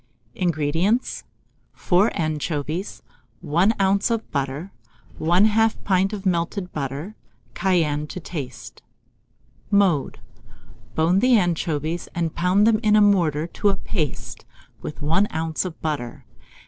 INGREDIENTS. 4 anchovies, 1 oz. of butter, 1/2 pint of melted butter, cayenne to taste. Mode. Bone the anchovies, and pound them in a mortar to a paste, with 1 oz. of butter.